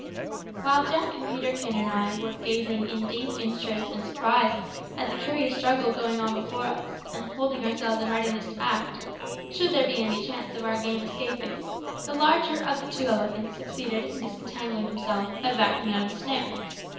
While Jack and Peterkin and I were gazing in deep interest and surprise at the curious struggle going on before us, and holding ourselves in readiness to act, should there be any chance of our game escaping, the larger of the two elephants succeeded in disentangling himself by backing out of the snare.